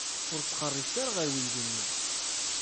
Ur ttqerribet ara ɣer uydi-nni.